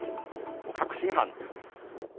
もう、確信犯ですね。